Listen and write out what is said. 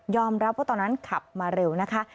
รับว่าตอนนั้นขับมาเร็วนะคะ